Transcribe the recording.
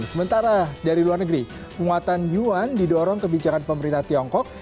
sementara dari luar negeri muatan yuan didorong kebijakan pemerintah tiongkok